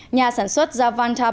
nhà sản xuất ra vantablack